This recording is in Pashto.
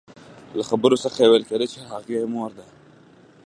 له خبرو څخه يې ويل کېدل چې هغې مور ده.